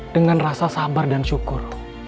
dengan rasa sabar dan syukur